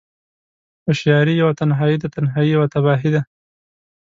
هوشیاری یوه تنهایی ده، تنهایی یوه تباهی ده